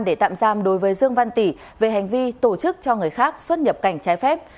để tạm giam đối với dương văn tỷ về hành vi tổ chức cho người khác xuất nhập cảnh trái phép